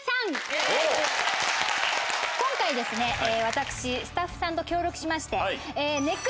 私スタッフさんと協力しまして。